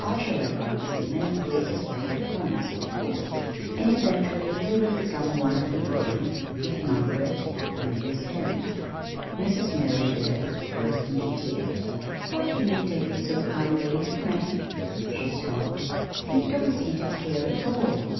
I shall advance him and increase his pay at once, of course, and eventually he will become one of the firm, if Margaret marries him." Mrs. Merideth burst into tears. "How can you take it so calmly, Frank," she sobbed. "You don't seem to care at all!"